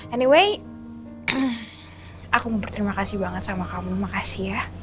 anyway aku mau berterima kasih banget sama kamu makasih ya